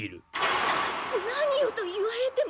な何をと言われても。